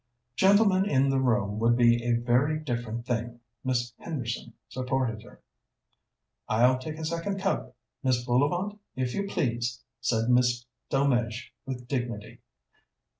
"Gentlemen in the room would be a very different thing," Miss Henderson supported her. "I'll take a second cup, Mrs. Bullivant, if you please," said Miss Delmege with dignity.